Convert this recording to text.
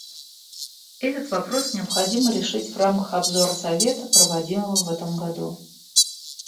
Этот вопрос необходимо решить в рамках обзора Совета, проводимого в этом году.